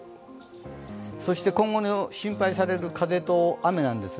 そして、今後心配される風と雨なんですが。